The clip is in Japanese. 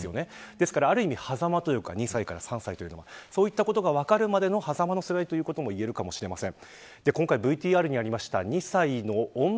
ですからある意味はざまといいますか２歳から３歳の間はそういったことが分かるまでの間の全てこともいえるかもしれません。